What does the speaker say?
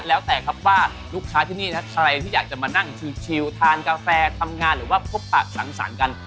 แล้วแต่ครับว่าลูกค้าที่นี่นะใครที่อยากจะมานั่งชิลทานกาแฟทำงานหรือว่าพบปากสังสรรค์กัน